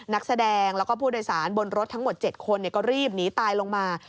นักแสดงแล้วก็ผู้โดยสารบนรถทั้งหมด๗คนก็รีบหนีตายลงมา